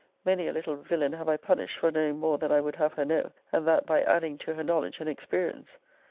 Many a little villain have I punished for knowing more than I would have her know, and that by adding to her knowledge and experience.